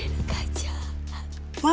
ma gak jahat